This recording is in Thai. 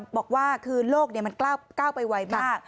บอกว่าคือโลกมันก้าวไปไวมาก